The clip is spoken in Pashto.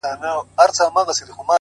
مرغۍ الوتې وه ـ خالي قفس ته ودرېدم ـ